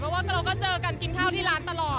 เพราะว่าเราก็เจอกันกินข้าวที่ร้านตลอด